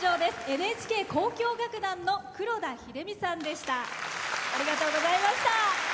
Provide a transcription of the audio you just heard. ＮＨＫ交響楽団の黒田英実さんでした。